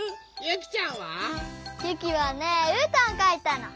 ゆきはねうーたんをかいたの。